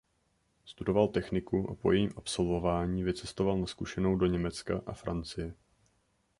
Studoval techniku a po jejím absolvování vycestoval na zkušenou do Německa a Francie.